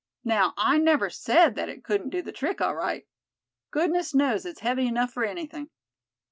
Now, I never said that it couldn't do the trick, all right. Goodness knows it's heavy enough for anything.